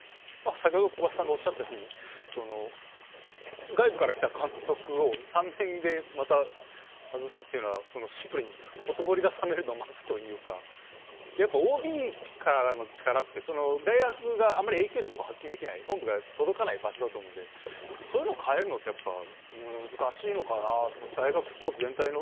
先ほど、小林さんがおっしゃったように外部から来た監督を３年でまた外すというのはシンプルに、ほとぼりが冷めるのを待つというかやっぱりＯＢの力とか大学側があまり影響を発揮できない場所だと思うのでそういうのを変えるのは難しいのかなって。